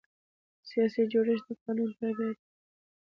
سیاسي جوړښت د قانون تابع دی